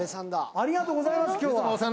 ありがとうございます今日は。